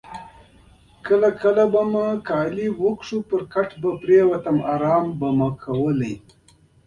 ځینې وختونه به مې جامې وکښلې او په کټ کې پرېوتم، ارام مې کاوه.